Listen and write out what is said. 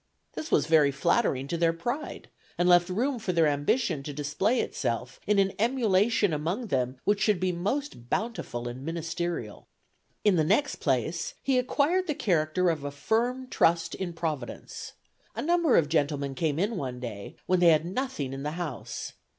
This was very flattering to their pride, and left room for their ambition to display itself in an emulation among them which should be most bountiful and ministerial. "In the next place, he acquired the character of firm trust in Providence. A number of gentlemen came in one day, when they had nothing in the house.